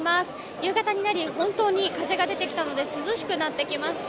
夕方になり、本当に風が出てきたので涼しくなってきました。